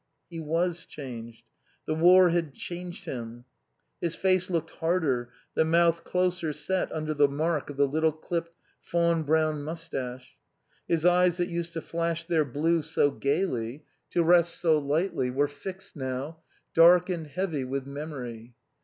He was changed. The war had changed him. His face looked harder, the mouth closer set under the mark of the little clipped fawn brown moustache. His eyes that used to flash their blue so gayly, to rest so lightly, were fixed now, dark and heavy with memory.